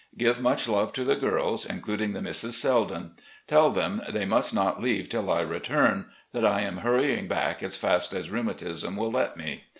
Give much love to the girls, including the Misses Selden. Tell them they must not leave till I return, that I am hurr3dng back as fast as rheumatism will let me.